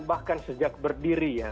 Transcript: bahkan sejak berdiri ya